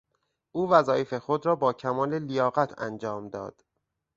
او وظایف خود را با کمال لیاقت انجام داد.